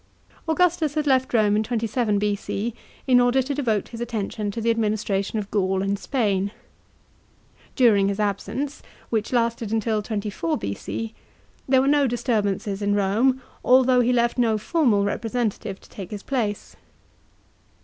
Augustus had left Borne in 27 B.O. in order to devote his attention to the adminis tration of Gaul and Spain. During his absence, which lasted until 24 BXX, there were no disturbances in Rome, although he left no formal representative to take his place.